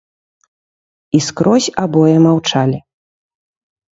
І скрозь абое маўчалі.